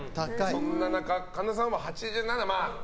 そんな中、神田さんは８７。